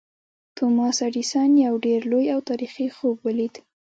توماس ایډېسن یو ډېر لوی او تاریخي خوب ولید